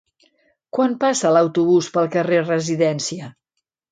Quan passa l'autobús pel carrer Residència?